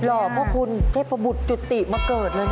ห่อพระคุณเทพบุตรจุติมาเกิดเลยนะ